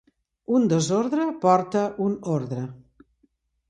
Un desordre porta un ordre.